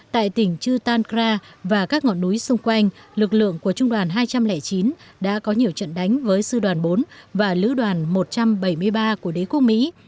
tại tỉnh chư tan kra và các ngọn núi xung quanh lực lượng của trung đoàn hai trăm linh chín đã có nhiều trận đánh với sư đoàn bốn và lữ đoàn một trăm bảy mươi ba của đế quốc mỹ